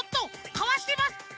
かわしてます。